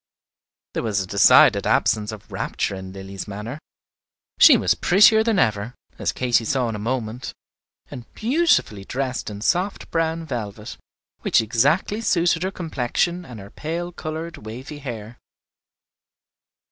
There was a decided absence of rapture in Lilly's manner. She was prettier than ever, as Katy saw in a moment, and beautifully dressed in soft brown velvet, which exactly suited her complexion and her pale colored wavy hair.